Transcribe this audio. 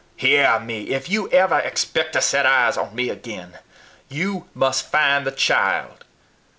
"Hear me! If you ever expect to set eyes on me again, you must find the child.